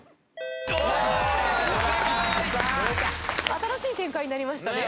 新しい展開になりましたね。